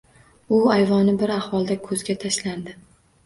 U ayvoni bir ahvolda ko‘zga tashlandi.